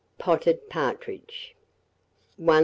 POTTED PARTRIDGE. 1037.